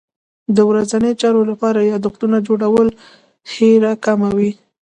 د ورځني چارو لپاره یادښتونه جوړول هېره کمه وي.